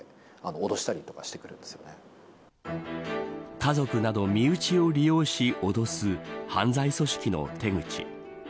家族など身内を利用し脅す犯罪組織の手口。